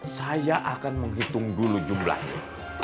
saya akan menghitung dulu jumlahnya